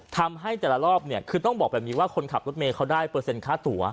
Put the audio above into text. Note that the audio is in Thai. ทำให้แต่ละรอบเนี่ยคือต้องบอกแบบนี้ว่าคนขับรถเมย์เขาได้เปอร์เซ็นค่าตัว